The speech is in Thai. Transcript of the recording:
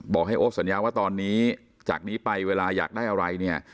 ให้โอ๊ปสัญญาว่าตอนนี้จากนี้ไปเวลาอยากได้อะไรเนี่ย